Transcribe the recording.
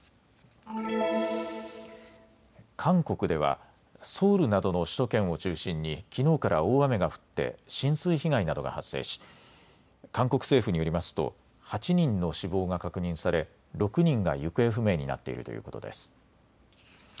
韓国ではソウルなどの首都圏を中心にきのうから大雨が降って浸水被害などが発生し、韓国政府によりますと８人の死亡が確認され６人が行方不明になっているということです。